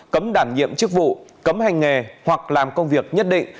cấm đảm nhiệm chức vụ cấm hành nghề hoặc làm công việc nhất định